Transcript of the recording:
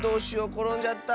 ころんじゃった。